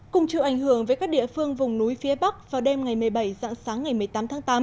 cùng chịu ảnh hưởng với các địa phương vùng núi phía bắc vào đêm ngày một mươi bảy dạng sáng ngày một mươi tám tháng tám